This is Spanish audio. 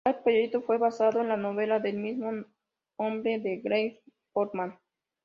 Tal proyecto fue basado en la novela del mismo nombre de Gayle Forman.